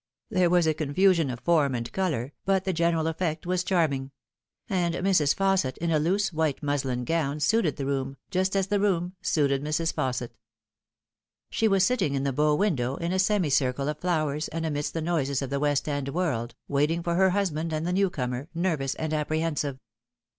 There was a confusion of form and colour, but the general effect was charming ; and Mrs. Fausset, in a loose white muslin gown, suited the room, just aa the room suited Mrs. Fausset. She was sitting in the bow window, in a semicircle of flowers and amidst the noises of the West End world, waiting for her husband and the new comer, nervous and apprehensive.